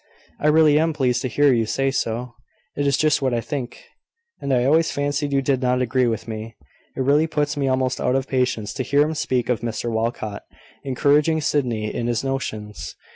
"I really am pleased to hear you say so. It is just what I think; and I always fancied you did not agree with me. It really puts me almost out of patience to hear him speak of Mr Walcot encouraging Sydney in his notions!